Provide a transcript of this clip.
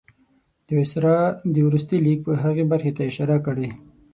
د وایسرا د وروستي لیک هغې برخې ته اشاره کړې.